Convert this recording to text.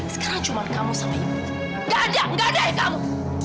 sekarang cuma kamu sama ibu gajah gajah kamu